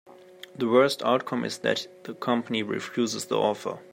The worst outcome is that the company refuses the offer.